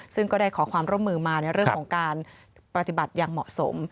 ซึ่งก็ได้ขอความร่วมมือมาในเรื่องของการปฏิบัติอย่างเหมาะสม